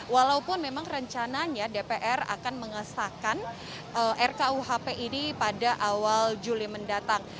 walaupun memang rencananya dpr akan mengesahkan rkuhp ini pada awal juli mendatang